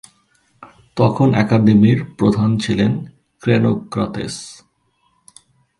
তখন আকাদেমির প্রধান ছিলেন ক্সেনোক্রাতেস।